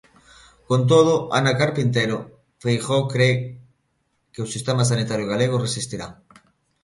Con todo, Ana Carpintero, Feijóo cre que o sistema sanitario galego resistirá...